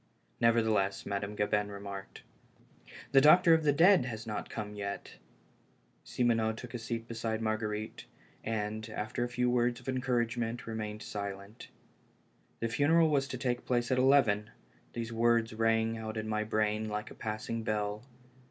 Nevertheless, Madame Gabin remarked : "The doctor of the dead has not come yet." Simoneau took a seat beside Marguerite, and, after a few words of encouragement, remained silent. The funeral was to take place at eleven! These words rang in my brain like a passing bell.